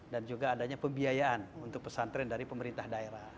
dan juga adanya pembiayaan untuk pesantren dari pemerintah daerah